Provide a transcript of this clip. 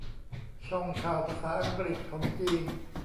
ช่องข่าวภาษาอังกฤษของจีน